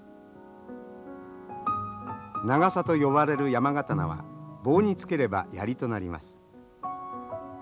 ナガサと呼ばれる山刀は棒につければ槍となります。